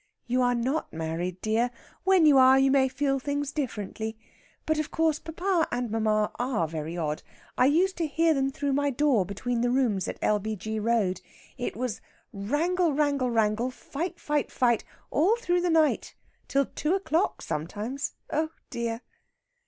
"You are not married, dear. When you are, you may feel things differently. But, of course, papa and mamma are very odd. I used to hear them through my door between the rooms at L.B.G. Road. It was wrangle, wrangle, wrangle; fight, fight, fight; all through the night till two o'clock sometimes. Oh dear!"